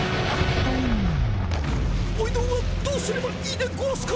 おいどんはどうすればいいでゴワスか？